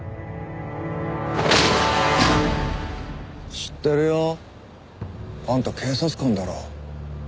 知ってるよ。あんた警察官だろ？